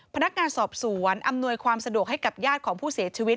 พนักงานสอบสวนอำนวยความสะดวกให้กับญาติของผู้เสียชีวิต